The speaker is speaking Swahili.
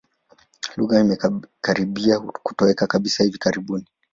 Lugha imekaribia kutoweka kabisa hivi karibuni.